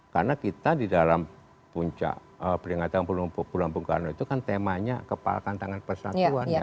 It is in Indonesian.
karena kita di dalam puncak peringatan bulan bung karno itu kan temanya kepalkan tangan persatuan ya